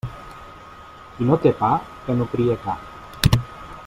Qui no té pa, que no crie ca.